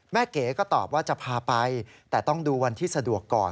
เก๋ก็ตอบว่าจะพาไปแต่ต้องดูวันที่สะดวกก่อน